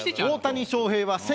大谷翔平は。